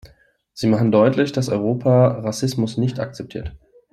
Sie machen deutlich, dass Europa Rassismus nicht akzeptiert.